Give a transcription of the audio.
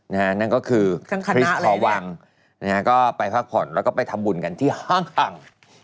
นะฮะนั่นก็คือคริสขอวังนะฮะก็ไปพักผ่อนแล้วก็ไปทำบุญกันที่ห้าง